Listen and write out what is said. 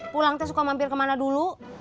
pulang teh suka mampir kemana dulu